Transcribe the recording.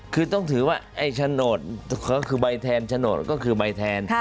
คือต้องถือว่าไอ้โฉนดก็คือใบแทนโฉนดก็คือใบแทน